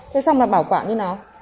thế xong là bảo quản như nào